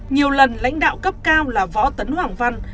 nhiều lần lãnh đạo cấp cao là võ tấn hoàng văn